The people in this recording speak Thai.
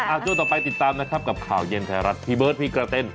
ช่วงต่อไปติดตามนะครับกับข่าวเย็นไทยรัฐพี่เบิร์ดพี่กระเต้น